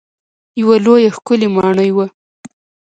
یوه لویه ښکلې ماڼۍ وه.